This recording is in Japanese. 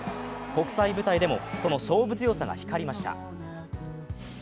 国際舞台でもその勝負強さが光りました。